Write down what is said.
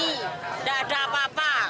tidak ada apa apa